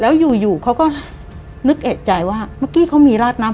แล้วอยู่เขาก็นึกเอกใจว่าเมื่อกี้เขามีราดน้ำ